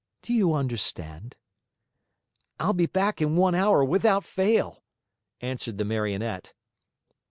Do you understand?" "I'll be back in one hour without fail," answered the Marionette.